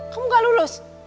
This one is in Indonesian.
kamu gak lulus